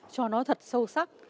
cho nó thật sâu sắc